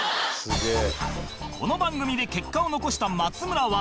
この番組で結果を残した松村は